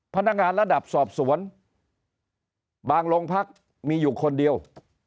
พนักงานระดับสอบสวนบางโรงพักมีอยู่คนเดียว